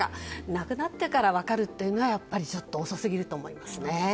亡くなってから分かるというのは遅すぎると思います。